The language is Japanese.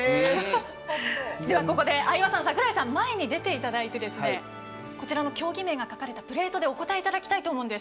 相葉さん、櫻井さん前に出ていただいてこちらの競技名が書かれたプレートでお答えいただきたいと思います。